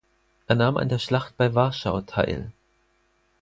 Er nahm an der Schlacht bei Warschau teil.